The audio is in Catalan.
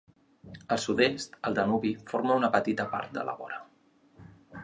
Al sud-est el Danubi forma una petita part de la vora.